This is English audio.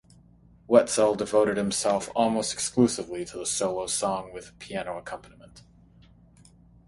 Wetzel devoted himself almost exclusively to the solo song with piano accompaniment.